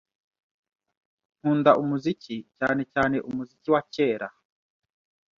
Nkunda umuziki, cyane cyane umuziki wa kera.